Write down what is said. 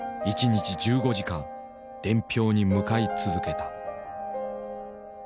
１日１５時間伝票に向かい続けた。